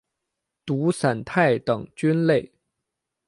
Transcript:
毒伞肽等菌类。